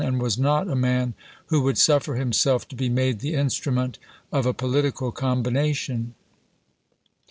v. and was not a man who would suffer himself to be made the instrument of a political combination.